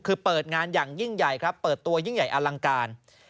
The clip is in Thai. คือเปิดงานอย่างยิ่งใหญ่ครับเปิดตัวยิ่งใหญ่อลังการ